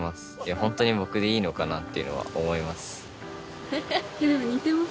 ホントに僕でいいのかなっていうのは思います・でも似てます